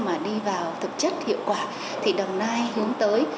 mà đi vào thực chất hiệu quả thì đồng nai hướng tới